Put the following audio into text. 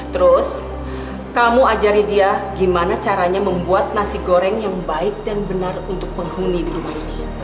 terus kamu ajari dia gimana caranya membuat nasi goreng yang baik dan benar untuk penghuni di rumah ini